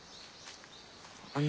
あの。